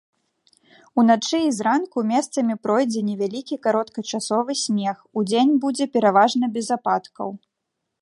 Уначы і зранку месцамі пройдзе невялікі кароткачасовы снег, удзень будзе пераважна без ападкаў.